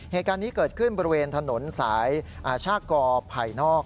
เหตุการณ์นี้เกิดขึ้นบริเวณถนนสายชากกอไผ่นอก